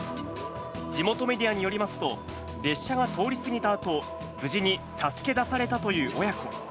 地元メディアによりますと、列車が通り過ぎたあと、無事に助け出されたという親子。